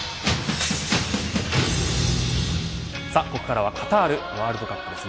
ここからはカタールワールドカップです。